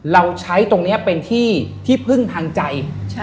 เราใช้ตรงนี้เป็นที่ที่พึ่งทางใจ